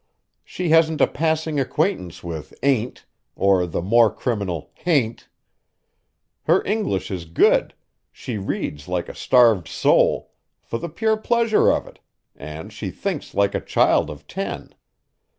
She hasn't a passing acquaintance with 'ain't,' or the more criminal 'hain't.' Her English is good, she reads like a starved soul, for the pure pleasure of it; and she thinks like a child of ten.